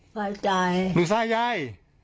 ฝ่ายใจหลุกไส้ย่าย